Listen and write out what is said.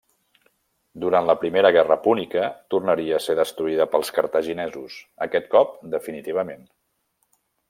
Durant la Primera guerra púnica tornaria a ser destruïda pels cartaginesos, aquest cop definitivament.